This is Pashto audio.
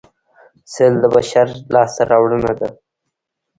سل د بشر لاسته راوړنه ده